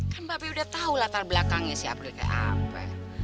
kan mbak be udah tahu latar belakangnya si aprilia kayak apa